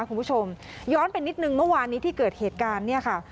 คุณผู้ชมย้อนไปนิดนึงเมื่อวานนี้ที่เกิดเหตุการณ์เนี่ยค่ะ